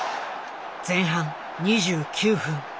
前半２９分